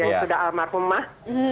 yang sudah almarhumah